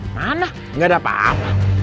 mana nggak ada apa apa